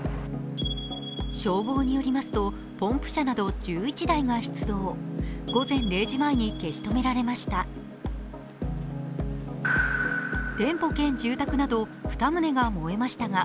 消防によりますとポンプ車など１１台が出動午前０時前に消し止められました。